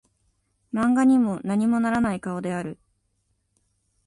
漫画にも何もならない顔である